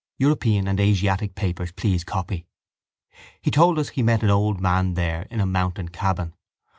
European and Asiatic papers please copy. He told us he met an old man there in a mountain cabin.